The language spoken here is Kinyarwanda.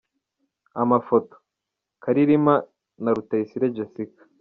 Amafoto : Karirima & Rutayisire Jessica.